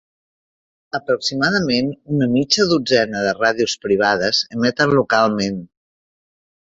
Aproximadament una mitja dotzena de ràdios privades emeten localment.